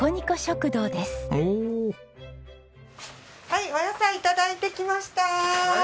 はいお野菜頂いてきました。